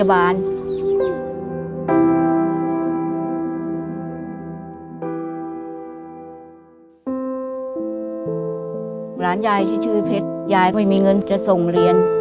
หลานยายที่ชื่อเพชรยายก็ไม่มีเงินจะส่งเรียน